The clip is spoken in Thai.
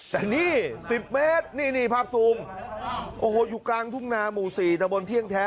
แต่นี่๑๐เมตรนี่นี่ภาพซูมโอ้โหอยู่กลางทุ่งนาหมู่๔ตะบนเที่ยงแท้